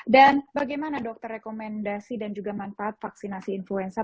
dan bagaimana dokter rekomendasi dan juga manfaat vaksinasi influenza